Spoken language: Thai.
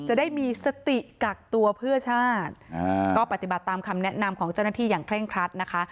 จะได้มีสติกักตัวเพื่อชาติก็ปฏิบัติตามคำแนะนำของเจ้าหน้าที่อย่างเร่งครัดนะคะ